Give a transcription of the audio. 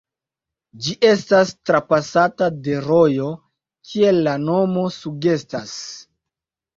Ĝi estas trapasata de rojo, kiel la nomo sugestas.